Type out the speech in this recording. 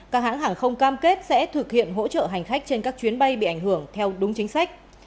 các hãng hàng không cam kết sẽ thực hiện hỗ trợ hành khách trên các chuyến bay bị ảnh hưởng theo đúng chính sách